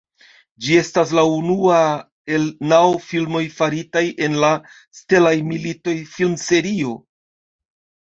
Ĝi estas la unua el naŭ filmoj faritaj en la Stelaj Militoj film-serio.